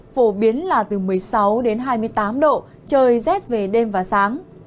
phổ biến là từ một mươi sáu đến hai mươi tám độ trời rét về đêm và sáng